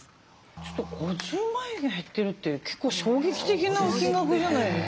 ちょっと５０万円減ってるって結構衝撃的な金額じゃないですか。